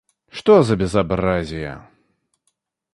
Что за безобразие!